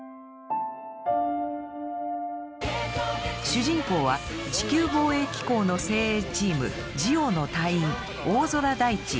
主人公は地球防衛機構の精鋭チームＸｉｏの隊員大空大地。